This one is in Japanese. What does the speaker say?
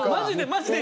マジで。